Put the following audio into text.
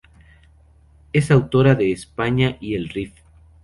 Es autora de "España y el Rif.